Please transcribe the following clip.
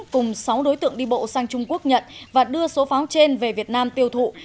cùng sáu đối tượng đi bộ sang trung quốc nhận và đưa số pháo trên về việt nam tiêu thụ